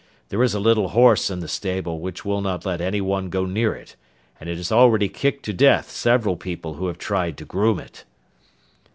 There is a little horse in the stable which will not let anyone go near it, and it has already kicked to death several people who have tried to groom it.